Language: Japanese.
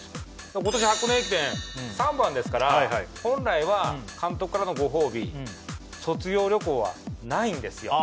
今年箱根駅伝３番ですから本来は監督からのご褒美卒業旅行はないんですよああ